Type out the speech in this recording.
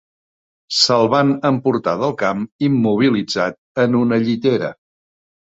Se'l van emportar del camp immobilitzat en una llitera.